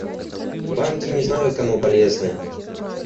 Банки не знаю кому полезны.